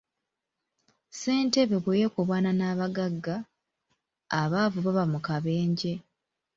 Ssentebe bwe yeekobaana n'abagagga, abaavu baba mu kabenje.